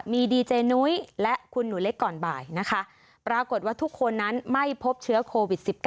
มีดีเจนุ้ยและคุณหนูเล็กก่อนบ่ายนะคะปรากฏว่าทุกคนนั้นไม่พบเชื้อโควิด๑๙